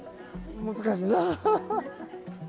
難しいなあ。